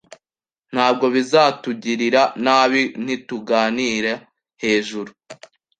Ntabwo bizatugirira nabi nituganira hejuru